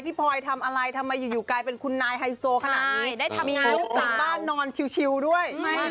พลอยทำอะไรทำไมอยู่กลายเป็นคุณนายไฮโซขนาดนี้มีลูกหลังบ้านนอนชิวด้วย